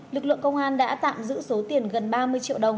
lực lượng công an đã tạm giữ số tiền gần ba mươi triệu đồng